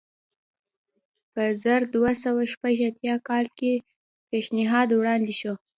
په زر دوه سوه شپږ اتیا کال بل پېشنهاد وړاندې شو.